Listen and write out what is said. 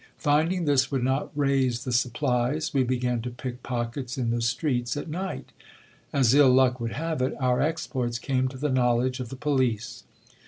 Find ing this would not raise the supplies, we began to pick pockets in the streets at night. As ill luck would have it, our exploits came to the knowledge of the police.